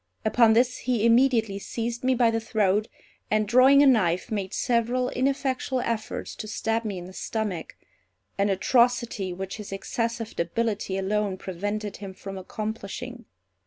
Upon this he immediately seized me by the throat, and drawing a knife, made several ineffectual efforts to stab me in the stomach; an atrocity which his excessive debility alone prevented him from accomplishing.